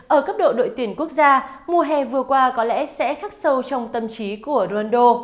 ở cấp độ đội tuyển quốc gia mùa hè vừa qua có lẽ sẽ khắc sâu trong tâm trí của rondo